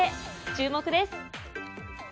注目です。